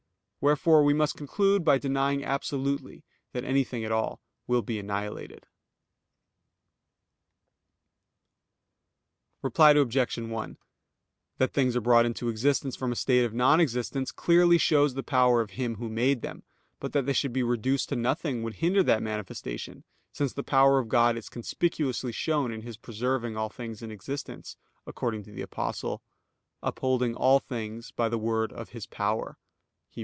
Wherefore we must conclude by denying absolutely that anything at all will be annihilated. Reply Obj. 1: That things are brought into existence from a state of non existence, clearly shows the power of Him Who made them; but that they should be reduced to nothing would hinder that manifestation, since the power of God is conspicuously shown in His preserving all things in existence, according to the Apostle: "Upholding all things by the word of His power" (Heb.